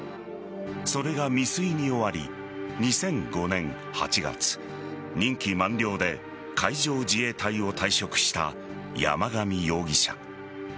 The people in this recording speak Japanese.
それが未遂に終わり２００５年８月任期満了で海上自衛隊を退職した山上容疑者。